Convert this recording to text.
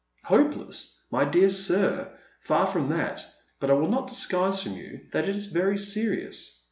" Hopeless, my dear sir ! far from that. But I will not disguise from you that it is very serious.